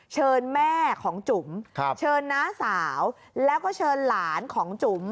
เชิญแม่ของจุ๋มเชิญน้าสาวแล้วก็เชิญหลานของจุ๋ม